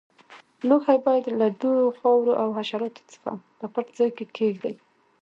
لوښي باید له دوړو، خاورو او حشراتو څخه په پټ ځای کې کېږدئ.